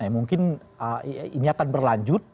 mungkin ini akan berlanjut